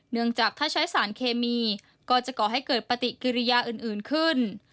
เนื่องจากถ้าใช้สารเคมีก็จะก่อให้เกิดปฏิกิริยาอื่นขึ้น